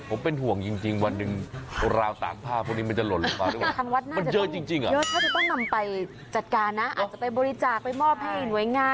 ผมเป็นห่วงจริงวันหนึ่งราวตากผ้าพวกนี้มันจะหล่นลงมาหรือเปล่า